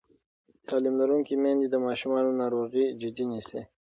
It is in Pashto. تعلیم لرونکې میندې د ماشومانو ناروغي جدي نیسي.